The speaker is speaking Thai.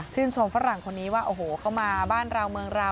ชมฝรั่งคนนี้ว่าโอ้โหเข้ามาบ้านเราเมืองเรา